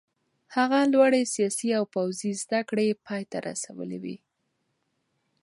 هغه لوړې سیاسي او پوځي زده کړې پای ته رسولې وې.